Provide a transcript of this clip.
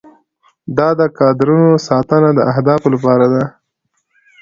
دا د کادرونو ساتنه د اهدافو لپاره ده.